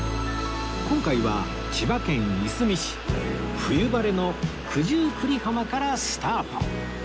今回は千葉県いすみ市冬晴れの九十九里浜からスタート